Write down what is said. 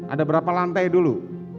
ada berapa lantai dulu